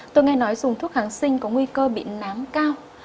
tôi nghe nói dùng thuốc kháng sinh có nguy cơ bị nám cao